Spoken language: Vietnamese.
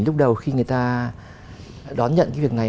lúc đầu khi người ta đón nhận cái việc này